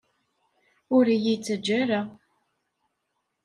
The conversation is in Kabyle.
Ur iyi-ttajja ara!